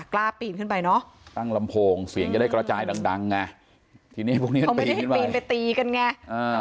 ปีนขึ้นไปเนอะตั้งลำโพงเสียงจะได้กระจายดังดังไงทีนี้พวกนี้ปีนไปตีกันไงอ่า